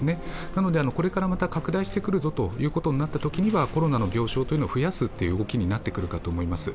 なのでこれからまた拡大してくるぞということになってきたときにいはコロナの病床を増やすという動きになってくると思います。